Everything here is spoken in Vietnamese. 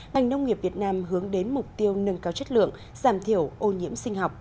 ngành nông nghiệp việt nam hướng đến mục tiêu nâng cao chất lượng giảm thiểu ô nhiễm sinh học